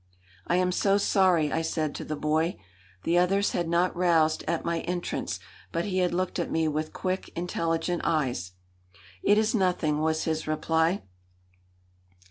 "I am so sorry," I said to the boy. The others had not roused at my entrance, but he had looked at me with quick, intelligent eyes. "It is nothing!" was his reply.